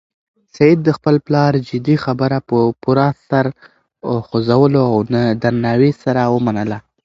سعید د خپل پلار جدي خبره په پوره سر خوځولو او درناوي سره ومنله.